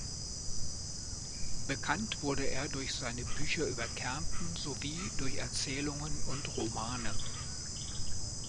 Bekannt wurde er durch seine Bücher über Kärnten sowie durch Erzählungen und Romane.